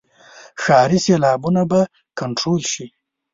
ښاري سیلابونه به کنټرول شي.